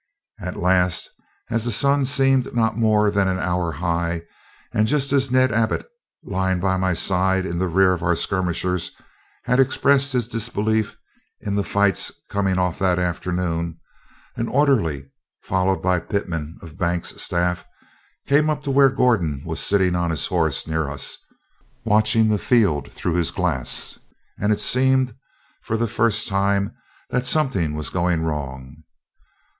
At last, as the sun seemed not more than an hour high, and just as Ned Abbott, lying by my side in the rear of our skirmishers, had expressed his disbelief in the fight's coming off that afternoon, an orderly, followed by Pitman of Banks' staff, came up to where Gordon was sitting on his horse near us, watching the field through his glass; and it seemed, for the first time, that something was going wrong.